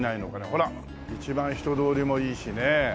ほら一番人通りもいいしね。